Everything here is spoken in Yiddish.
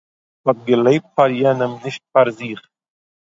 האט געלעבט פאר יענעם נישט פאר זיך